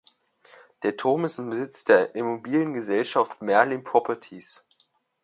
Der Turm ist im Besitz der Immobiliengesellschaft Merlin Properties.